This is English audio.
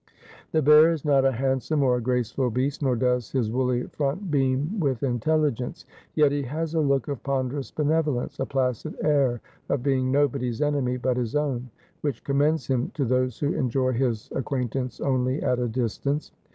The bear is not a handsome or a graceful beast, nor does his woolly front beam with intelligence. Yet he has a look of ponderous benevolence, a placid air of being nobody's enemy but his own, which commends him to those who enjoy his acquaint ance only at a distance.